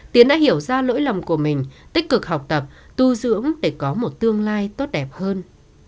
tiến đã hiểu ra lỗi lầm của mình tích cực học tập tu dưỡng để có một tương lai tốt đẹp hơn